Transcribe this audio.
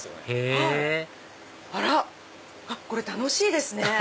へぇこれ楽しいですね！